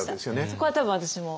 そこは多分私も。